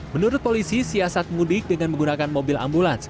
menurut polisi siasat mudik dengan menggunakan mobil ambulans